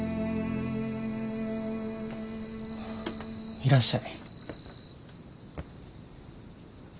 いらっしゃい。